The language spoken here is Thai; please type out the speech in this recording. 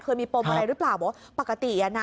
เคยมีปมอะไรหรือเปล่าบอกว่าปกติอ่ะนะ